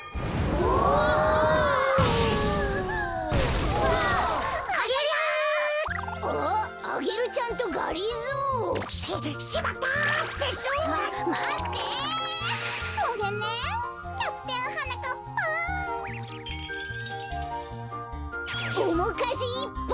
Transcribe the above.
おもかじいっぱい！